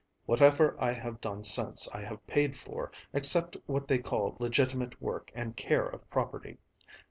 Whatever I have done since I have paid for, except what they call legitimate work and care of property.